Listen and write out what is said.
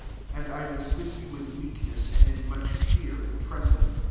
3 And I was with you in weak ness, and in much fear and trembling.